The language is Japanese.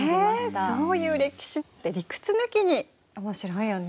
ねえそういう歴史って理屈抜きにおもしろいよね。